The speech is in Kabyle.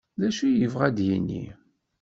D acu i yebɣa ad d-yini?